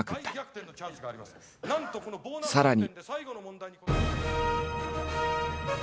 さらに。